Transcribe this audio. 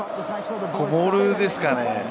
モールですかね。